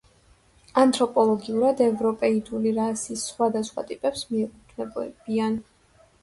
ანთროპოლოგიურად ევროპეიდული რასის სხვადასხვა ტიპებს მიეკუთვნებიან.